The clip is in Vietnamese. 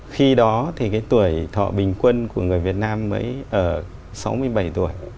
khi đó thì cái tuổi thọ bình quân của người việt nam mới ở sáu mươi bảy tuổi